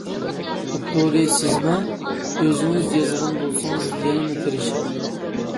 ئاپتورى سىزما؟ ئۆزىڭىز يازغان بولسىڭىز يەنىمۇ تېرىشىڭ.